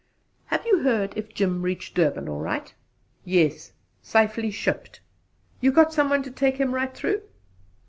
"Have you heard if Jim reached Durban all right?" "Yes! Safely shipped." "You got some one to take him right through?"